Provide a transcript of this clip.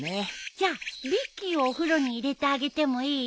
じゃビッキーをお風呂に入れてあげてもいい？